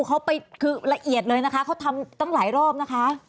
เขาไปคือละเอียดเลยนะคะเขาทำตั้งหลายรอบนะคะ